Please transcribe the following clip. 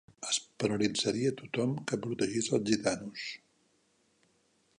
Es penalitzaria tothom que protegís els gitanos.